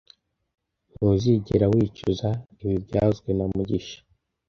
Ntuzigera wicuza ibi byavuzwe na mugisha